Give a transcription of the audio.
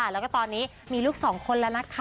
แล้วก็ตอนนี้มีลูก๒คนแล้วนะคะ